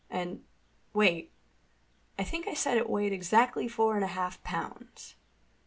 And—wait—I think I said it weighed exactly four and a half pounds."